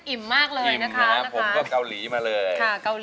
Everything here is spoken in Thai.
อิ่มนะครับผมก็เกาหลีมาเลย